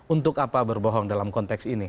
untuk apa berbohong dalam konteks ini